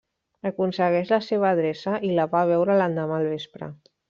Aconsegueix la seva adreça i la va a veure l'endemà al vespre.